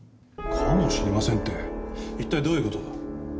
「かもしれません」って一体どういう事だ？